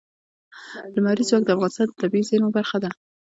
لمریز ځواک د افغانستان د طبیعي زیرمو برخه ده.